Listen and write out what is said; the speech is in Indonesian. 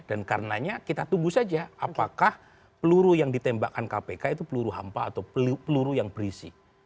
dan karenanya kita tunggu saja apakah peluru yang ditembakkan kpk itu peluru hampa atau peluru yang berisi